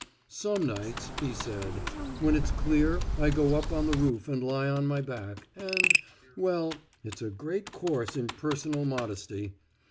"Some nights," he said, "when it's clear I go up on the roof and lie on my back, and, well, it's a great course in personal modesty.